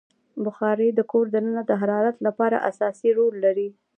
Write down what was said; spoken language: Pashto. بخاري د کور دننه د حرارت لپاره اساسي رول لري.